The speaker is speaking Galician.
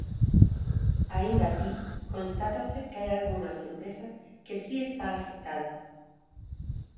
Aínda así, constátase que hai algunhas empresas que si están afectadas.